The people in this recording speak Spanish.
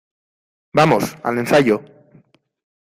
¡ vamos, al ensayo!